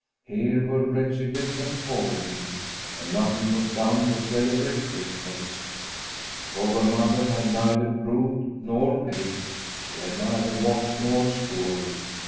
Here were wretchedness and poverty! and nothing was done to celebrate Christmas. Robber Mother had neither brewed nor baked; she had neither washed nor scoured.